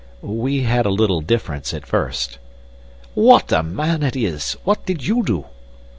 "We had a little difference at first." "What a man it is! What did you do?"